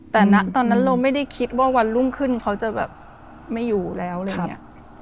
แต่ตอนนั้นเราไม่ได้คิดว่าวันรุ่งขึ้นเขาจะแบบไม่อยู่แล้วอะไรอย่างนี้